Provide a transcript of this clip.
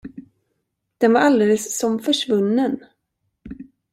Den var alldeles som försvunnen.